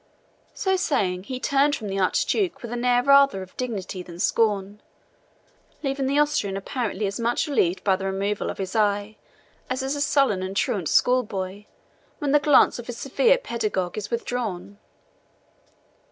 So saying, he turned from the Archduke with an air rather of dignity than scorn, leaving the Austrian apparently as much relieved by the removal of his eye as is a sullen and truant schoolboy when the glance of his severe pedagogue is withdrawn.